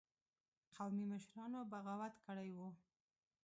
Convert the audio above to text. قومي مشرانو بغاوت کړی وو.